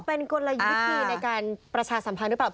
เป็นกลยุทธวิธีในการประชาสัมพันธ์หรือเปล่า